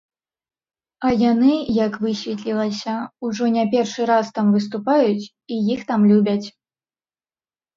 А яны, як высветлілася, ўжо не першы раз там выступаюць і іх там любяць.